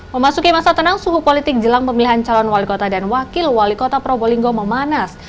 memasuki masa tenang suhu politik jelang pemilihan calon wali kota dan wakil wali kota probolinggo memanas